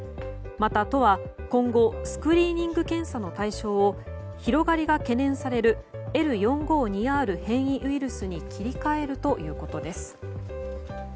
また、都は今後スクリーニング検査の対象を広がりが懸念されるＬ４５２Ｒ変異ウイルスに切り替えるということです。